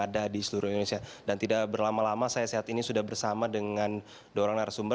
dan tidak berlama lama saya saat ini sudah bersama dengan dua orang narasumber